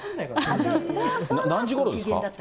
何時ごろですか？